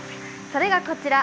それがこちら。